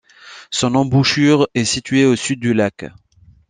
Son embouchure est situé au sud du lac.